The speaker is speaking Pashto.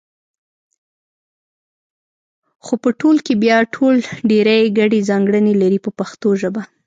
خو په ټول کې بیا ټول ډېرې ګډې ځانګړنې لري په پښتو ژبه.